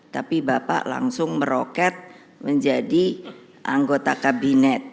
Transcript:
tapi bapak langsung meroket menjadi anggota kabinet